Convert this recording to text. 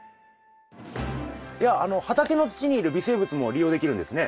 いや畑の土にいる微生物も利用できるんですね。